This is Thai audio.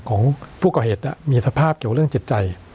ของผู้ก่อเหตุมีสภาพเกี่ยวเรื่องจิตใจ